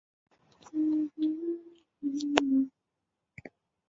光泽县文物保护单位是中国福建省南平市光泽县的县级文物保护单位。